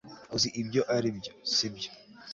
uzi ibyo aribyo, sibyo